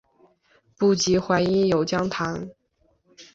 不及淮阴有将坛。